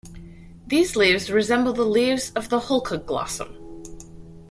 These leaves resemble the leaves of the Holcoglossum.